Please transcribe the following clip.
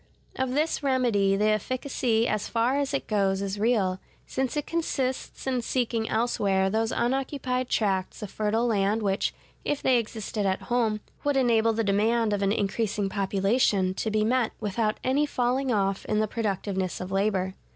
Of this remedy the efficacy as far as it goes is real, since it consists in seeking elsewhere those unoccupied tracts of fertile land which, if they existed at home, would enable the demand of an increasing population to be met without any falling off in the productiveness of labor.